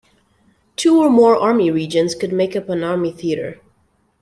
Two or more Army Regions could make up an Army Theater.